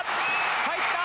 入った！